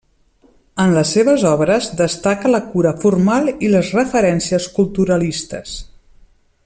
En les seves obres, destaca la cura formal i les referències culturalistes.